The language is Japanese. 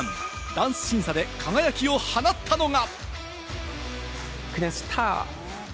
ダンス審査で輝きを放ったのが。